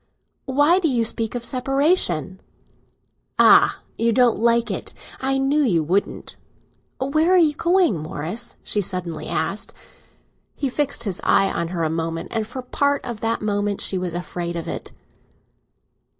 "Why do you speak of separation?" "Ah! you don't like it; I knew you wouldn't!" "Where are you going, Morris?" she suddenly asked. He fixed his eye on her for a moment, and for a part of that moment she was afraid of it.